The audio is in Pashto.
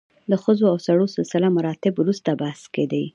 د ښځو او سړو سلسله مراتب وروسته بحث کې دي.